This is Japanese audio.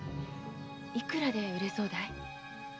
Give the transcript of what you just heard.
いくらで売れそうだい？